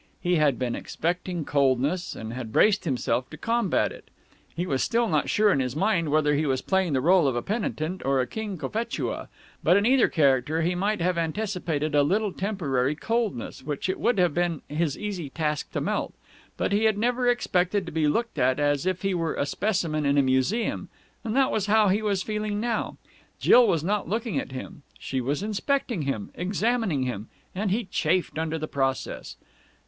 He had been expecting coldness, and had braced himself to combat it. He was still not quite sure in his mind whether he was playing the rôle of a penitent or a King Cophetua, but in either character he might have anticipated a little temporary coldness, which it would have been his easy task to melt. But he had never expected to be looked at as if he were a specimen in a museum, and that was how he was feeling now. Jill was not looking at him she was inspecting him, examining him, and he chafed under the process.